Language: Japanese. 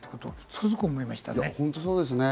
つくづく思いましたね。